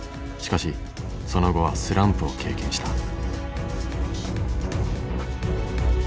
しかしその後はスランプを経験した。